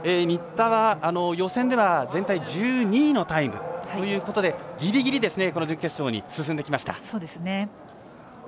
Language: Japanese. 新田は予選では全体１２位のタイムということでギリギリ準決勝に進んできました。